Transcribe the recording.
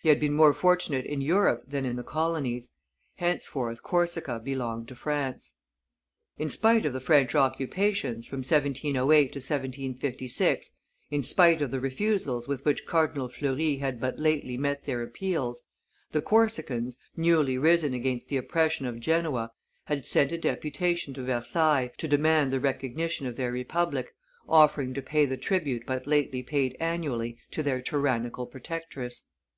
He had been more fortunate in Europe than in the colonies: henceforth Corsica belonged to France. In spite of the French occupations, from 1708 to 1756, in spite of the refusals with which Cardinal Fleury had but lately met their appeals, the Corsicans, newly risen against the oppression of Genoa, had sent a deputation to Versailles to demand the recognition of their republic, offering to pay the tribute but lately paid annually to their tyrannical protectress.